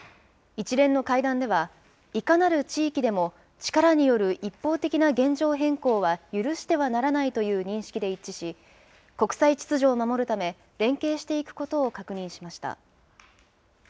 一連の会談では、いかなる地域でも、力による一方的な現状変更は許してはならないという認識で一致し、国際秩序を守るため連携していくことを確認しました。